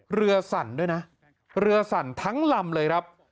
สั่นด้วยนะเรือสั่นทั้งลำเลยครับ